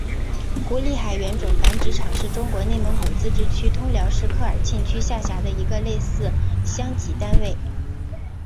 胡力海原种繁殖场是中国内蒙古自治区通辽市科尔沁区下辖的一个类似乡级单位。